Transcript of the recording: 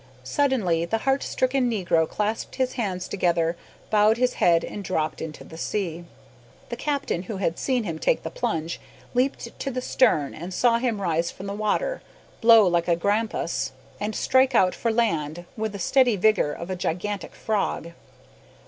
Suddenly the heart stricken negro clasped his hands together, bowed his head, and dropped into the sea! The captain, who had seen him take the plunge, leaped to the stern, and saw him rise from the water, blow like a grampus, and strike out for land with the steady vigour of a gigantic frog.